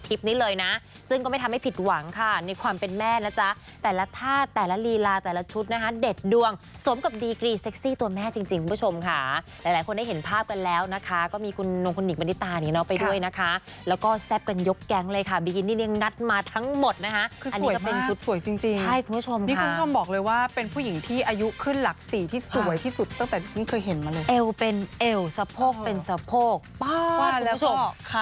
คลิปนี้เลยนะซึ่งก็ไม่ทำให้ผิดหวังค่ะในความเป็นแม่นะจ๊ะแต่ละธาตุแต่ละรีลาแต่ละชุดนะฮะเด็ดดวงสมกับดีกรีซ์เซ็กซี่ตัวแม่จริงคุณผู้ชมค่ะหลายคนได้เห็นภาพกันแล้วนะคะก็มีคุณน้องคุณนิกมณิตานิกน้องไปด้วยนะคะแล้วก็แซ่บกันยกแก๊งเลยค่ะบีกิ้นนี่นี่ยังนั